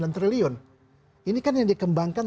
empat puluh sembilan triliun ini kan yang dikembangkan